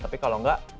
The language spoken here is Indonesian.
tapi kalau enggak